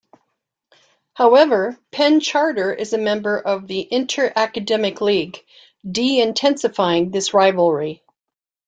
However, Penn Charter is a member of the Inter-Academic League, de-intensifying this rivalry.